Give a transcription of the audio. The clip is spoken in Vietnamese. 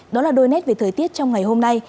đó là đôi nét về thời tiết trong ngày hôm nay